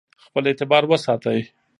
خپل اعتبار وساتئ.